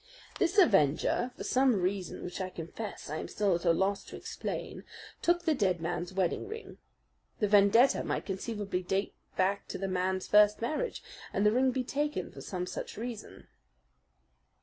This avenger, for some reason which I confess I am still at a loss to explain, took the dead man's wedding ring. The vendetta might conceivably date back to the man's first marriage, and the ring be taken for some such reason.